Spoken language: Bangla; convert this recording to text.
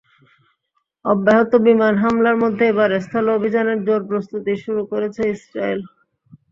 অব্যাহত বিমান হামলার মধ্যে এবার স্থল অভিযানের জোর প্রস্তুতি শুরু করেছে ইসরায়েল।